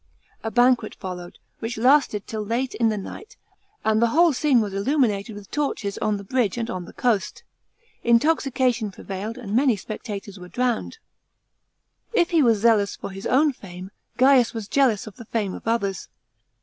A banquet followed, which lasted till late in the night, and the whole scene \va* illuminated with torches on the bridge and on the coast. Intoxication prevailed and many spectators were drowned. If he was zealous for his own fame, Gaius was jealous of the fame of others.